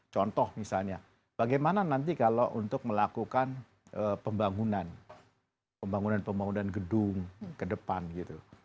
contoh misalnya bagaimana nanti kalau untuk melakukan pembangunan pembangunan gedung ke depan gitu